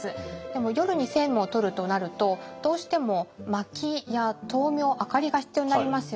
でも夜に政務をとるとなるとどうしてもまきや灯明明かりが必要になりますよね。